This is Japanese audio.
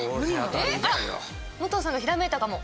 武藤さんが、ひらめいたかも。